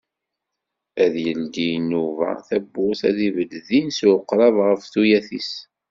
Ad d-yeldi inuba tawwurt ad ibed din s uqrab ɣef tuyat-is.